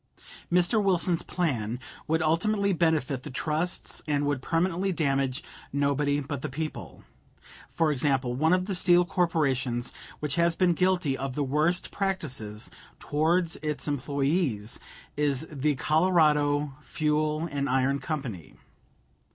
Mr. Wilson's plan would ultimately benefit the trusts and would permanently damage nobody but the people. For example, one of the steel corporations which has been guilty of the worst practices towards its employees is the Colorado Fuel and Iron Company.